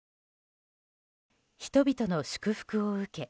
人々の祝福を受け